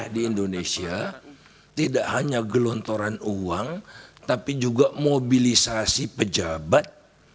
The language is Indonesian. di indonesia tidak hanya gelontoran uang tapi juga mobilisasi pejabat